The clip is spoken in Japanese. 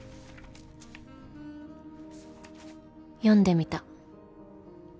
［読んでみた］